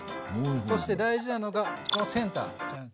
そして大事なのがこのセンター。